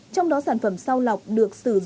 trong đó sản phẩm sau lọc được sử dụng